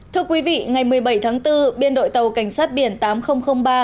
thưa quý vị ngày một mươi bảy tháng bốn biên đội tàu cảnh sát biển tám nghìn ba